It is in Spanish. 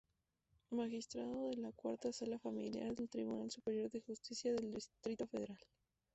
Magistrado de la Cuarta Sala Familiar del Tribunal Superior de Justicia del Distrito Federal.